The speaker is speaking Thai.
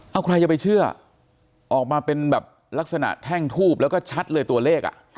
เอาใครจะไปเชื่อออกมาเป็นแบบลักษณะแท่งทูบแล้วก็ชัดเลยตัวเลข